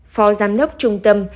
phò giám đốc trung tâm